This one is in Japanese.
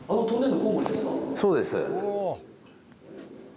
そうです。